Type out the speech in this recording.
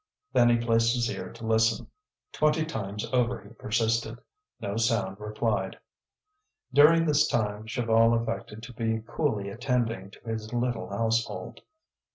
Then he placed his ear to listen. Twenty times over he persisted; no sound replied. During this time Chaval affected to be coolly attending to his little household.